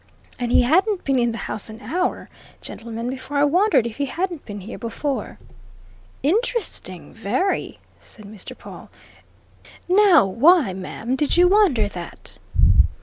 And he hadn't been in the house an hour, gentlemen, before I wondered if he hadn't been here before." "Interesting very!" said Mr. Pawle. "Now, why, ma'am did you wonder that?"